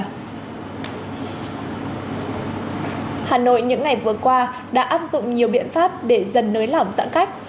hà nội những ngày vừa qua đã áp dụng nhiều biện pháp để dần nới lỏng giãn cách